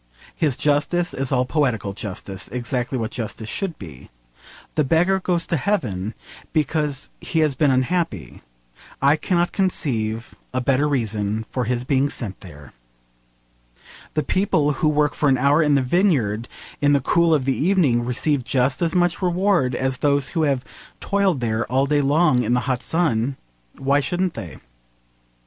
His justice is all poetical justice, exactly what justice should be. The beggar goes to heaven because he has been unhappy. I cannot conceive a better reason for his being sent there. The people who work for an hour in the vineyard in the cool of the evening receive just as much reward as those who have toiled there all day long in the hot sun. Why shouldn't they?